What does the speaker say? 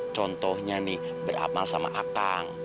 contohnya nih beramal sama akang